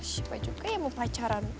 siapa juga yang mau pacaran